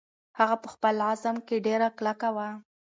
هغه په خپل عزم کې ډېره کلکه وه.